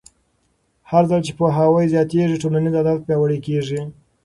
هرځل چې پوهاوی زیاتېږي، ټولنیز عدالت پیاوړی کېږي.